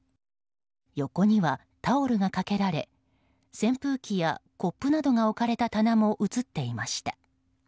横にはタオルがかけられ扇風機やコップなどが置かれた棚も映っていました。